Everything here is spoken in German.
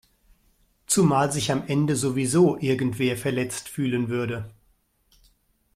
Zumal sich am Ende sowieso irgendwer verletzt fühlen würde.